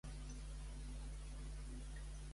Mira, jo, jo just t'he demanat que siguis la meva muller.